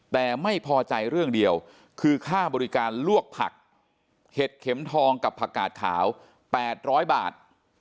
แต่ไม่พอใจเรื่องเดียวคือค่าบริการลวกผักเห็ดเข็มทองกับผักกาดขาว๘๐๐บาท